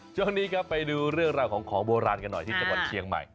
ช่วงนี้ครับไปดูเรื่องราวของของโบราณกันหน่อยที่จังหวัดเชียงใหม่